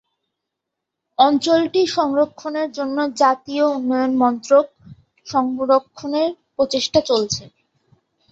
অঞ্চলটি সংরক্ষণের জন্য জাতীয় উন্নয়ন মন্ত্রক সংরক্ষণের প্রচেষ্টা করছে।